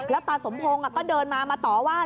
ตาสมพงศ์ก็เดินมามาต่อว่า